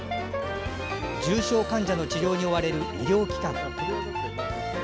重症患者の治療に追われる医療機関。